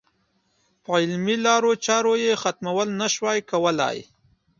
په علمي لارو چارو یې ختمول نه شوای کولای.